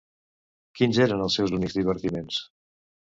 Quins eren els seus únics divertiments?